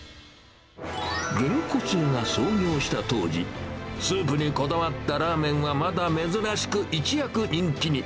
げんこつ屋が創業した当時、スープにこだわったラーメンはまだ珍しく、一躍人気に。